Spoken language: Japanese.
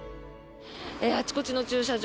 あちこちの駐車場